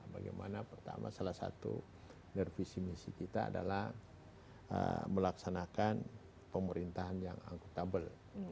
bagaimana pertama salah satu nervisi misi kita adalah melaksanakan pemerintahan yang akutabel